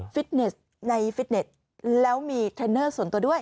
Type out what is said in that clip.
ฟิตเนสในฟิตเน็ตแล้วมีเทรนเนอร์ส่วนตัวด้วย